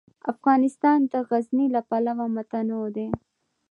افغانستان د غزني له پلوه متنوع دی.